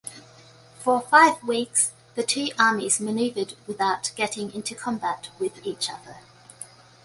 For five weeks the two armies manoeuvred without getting into combat with each other.